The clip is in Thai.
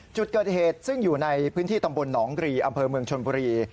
จุดเกิดเหตุซึ่งอยู่ในพื้นที่ตำบลหนองกรีอำเภอเมืองชนบุรี